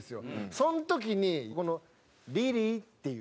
その時にこの「リリー？」っていう。